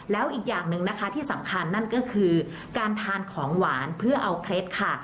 แล้วอีกอย่างหนึ่งนะคะที่สำคัญนั่นก็คือการทานของหวานเพื่อเอาเคล็ดค่ะ